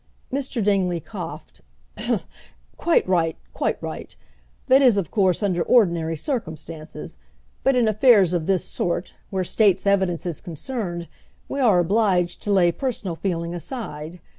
Mr. Dingley coughed. "Quite right, quite right! That is, of course, under ordinary circumstances. But in affairs of this sort, where state's evidence is concerned, we are obliged to lay personal feeling aside.